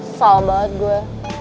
sesal banget gua